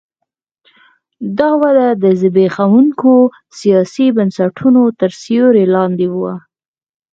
دا وده د زبېښونکو سیاسي بنسټونو تر سیوري لاندې وه.